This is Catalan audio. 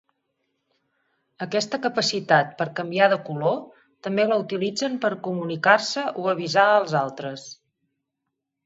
Aquesta capacitat per canviar de color també la utilitzen per comunicar-se o avisar als altres.